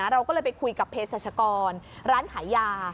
เราก็เลยไปคุยกับเพศรัชกรร้านขายยา